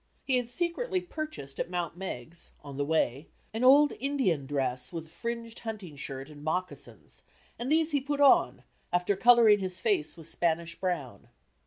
He had secretly purchased at Mount Megs, on the way, an old Indian dress with a fringed hunting shirt and moccasins and these he put on, after coloring his face with Spanish brown.